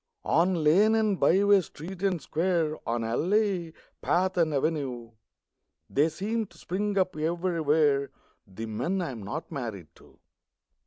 On lane and byways, street and square, On alley, path and avenue, They seem to spring up everywhere The men I am not married to.